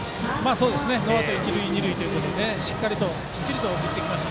ノーアウト一塁二塁ということでしっかりときっちりと送ってきました。